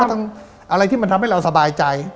อะไรที่มันทำให้เราสบายใจ